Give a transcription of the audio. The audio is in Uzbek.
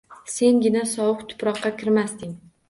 Sengina sovuq tuproqqa kirmasding